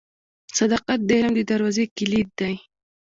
• صداقت د علم د دروازې کلید دی.